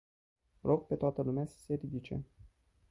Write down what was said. Rog pe toată lumea să se ridice.